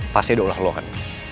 pasti ada olah lo kan